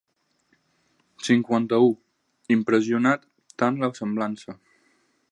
Cinquanta-u impressionat tant la semblança.